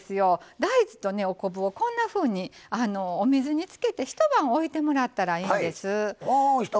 大豆とお昆布をお水につけて一晩置いてもらったらいいんです。